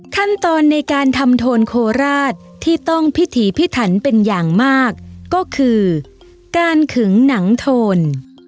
ขั้นตอนในการทำโทนโคราชที่ต้องพิถีพิถันเป็นอย่างมากก็คือการขึงหนังโทน